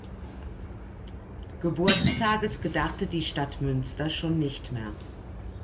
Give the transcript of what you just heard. Geburtstages gedachte die Stadt Münster schon nicht mehr.